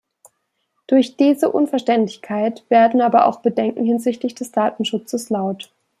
Durch diese Unverständlichkeit werden aber auch Bedenken hinsichtlich des Datenschutzes laut.